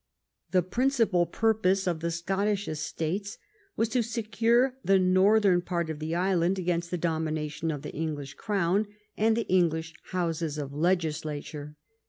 The principal purpose of the Scot tish Estates was to secure the northern part of the island against the domination of the English crown and the English houses of legislature.